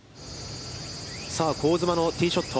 さあ香妻のティーショット。